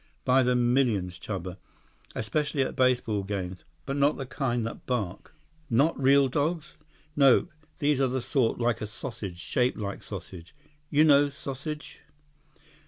"By the millions, Chuba. Especially at baseball games. But not the kind that bark." "Not real dogs?" "Nope. These are sort of like a sausage—shaped like sausage. You know sausage?"